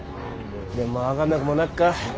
でもまあ分がんなぐもなっか。